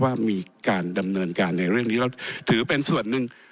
ว่ามีการดำเนินการในเรื่องนี้แล้วถือเป็นส่วนหนึ่ง